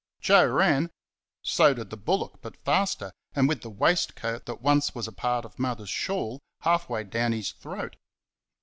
Joe ran so did the bullock, but faster, and with the waistcoat that once was a part of Mother's shawl half way down his throat.